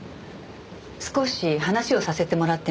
少し話をさせてもらってもいい？